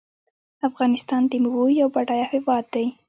افغانستان د میوو یو بډایه هیواد دی.